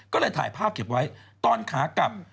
ก็เลยถ่ายภาพเก็บไว้ตอนขากลับ